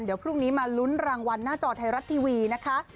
เดี๋ยวพรุ่งนี้มาลุ้นรางวัลหน้าจอไทยรัฐทีวีนะคะ